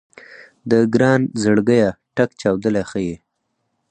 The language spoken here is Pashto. د ګران زړګيه ټک چاودلی ښه يې